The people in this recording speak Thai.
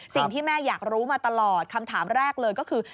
สิ่งที่แม่อยากรู้มาตลอดคำถามแรกเลยก็คือ